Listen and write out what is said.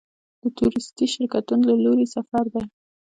د تورېستي شرکتونو له لوري سفر دی.